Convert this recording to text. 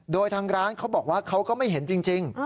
โดยทางร้านเขาบอกว่าเขาก็ไม่เห็นจริง